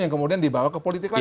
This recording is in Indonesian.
yang kemudian dibawa ke politik lain